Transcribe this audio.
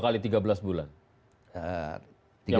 kemudian saya berangkat lagi tiga belas bulan jadi dua x tiga belas bulan